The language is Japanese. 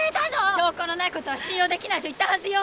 証拠のない事は信用出来ないと言ったはずよ！